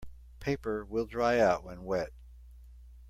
Paper will dry out when wet.